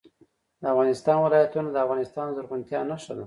د افغانستان ولايتونه د افغانستان د زرغونتیا نښه ده.